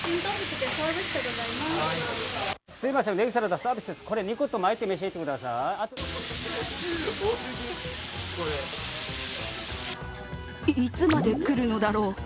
いつまで来るのだろう